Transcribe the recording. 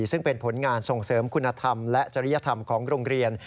ซึ่งเป็นผลงานส่งเสริมคุณธรรมและจริยธรรมของโรงเรียน